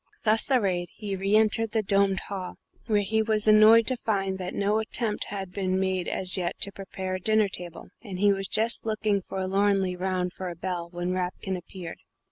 Thus arrayed he re entered the domed hall, where he was annoyed to find that no attempt had been made as yet to prepare a dinner table, and he was just looking forlornly round for a bell when Rapkin appeared.